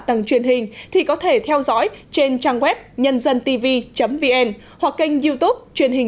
tầng truyền hình thì có thể theo dõi trên trang web nhân dân tv vn hoặc kênh youtube truyền hình